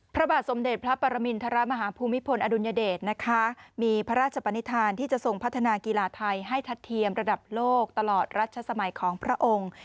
พระบาทสมเด็จพระปรมินทรมาฮภูมิพลอดุลยเดชนะคะมีพระราชปนิษฐานที่จะทรงพัฒนากีฬาไทยให้ทัดเทียมระดับโลกตลอดรัชสมัยของพระองค์